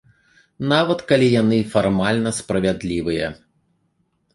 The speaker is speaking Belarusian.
Нават калі яны фармальна справядлівыя.